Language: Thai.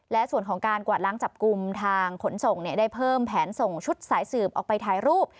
และส่วนของการกวาดล้างจับกลุ่มทางขนส่งได้เพิ่มแผนส่งชุดสายสืบออกไปถ่ายรูป